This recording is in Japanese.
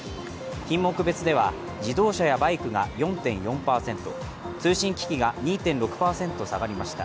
品目別では自動車やバイクが４．４％通信機器が２．６％下がりました